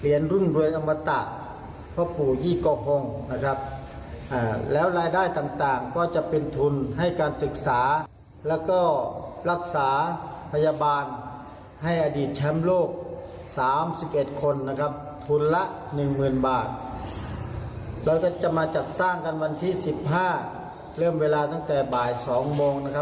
เราก็จะมาจัดสร้างกันวันที่๑๕มเริ่มเวลาตั้งแต่บ่าย๒โมงนะครับ